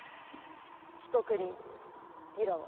被告人ギラは。